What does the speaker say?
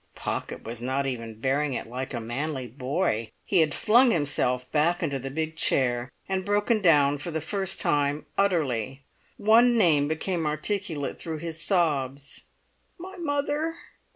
Pocket was not even bearing it like a manly boy; he had flung himself back into the big chair, and broken down for the first time utterly. One name became articulate through his sobs. "My mother!"